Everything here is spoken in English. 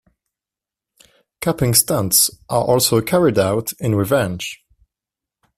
Capping stunts are also carried out in revenge.